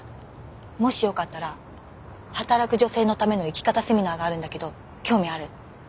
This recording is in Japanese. もしよかったら働く女性のための生き方セミナーがあるんだけど興味ある？